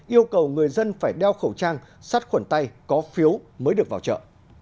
yêu cầu người dân phải đeo khẩu trang sắt khuẩn tay có phiếu mới được vào chợ